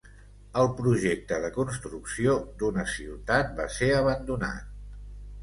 El projecte de construcció d'una ciutat va ser abandonat.